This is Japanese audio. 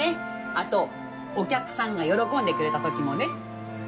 あとお客さんが喜んでくれた時もね。